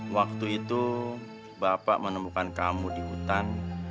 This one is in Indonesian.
waktu itu bapak menemukan kamu di hutan